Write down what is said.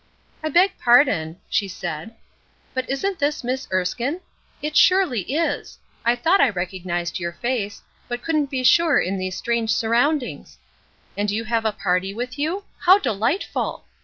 "I beg pardon," she said, "but isn't this Miss Erskine? It surely is! I thought I recognized your face, but couldn't be sure in these strange surroundings. And you have a party with you? How delightful!